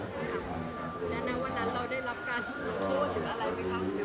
และในวันนั้นเราได้รับการพูดหรืออะไรไหมครับ